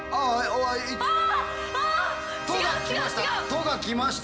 「と」がきました。